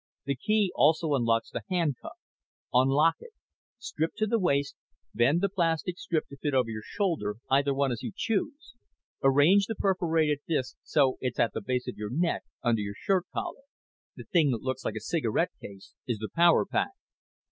The key also unlocks the handcuff. Unlock it. Strip to the waist. Bend the plastic strip to fit over your shoulder either one, as you choose. Arrange the perforated disk so it's at the base of your neck, under your shirt collar. The thing that looks like a cigarette case is the power pack."